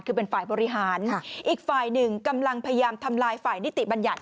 คือเป็นฝ่ายบริหารอีกฝ่ายหนึ่งกำลังพยายามทำลายฝ่ายนิติบัญญัติ